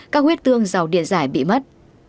các huyết thương do điện giải bị mất